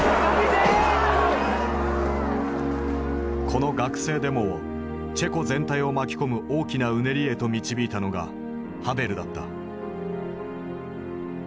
この学生デモをチェコ全体を巻き込む大きなうねりへと導いたのがハヴェルだった。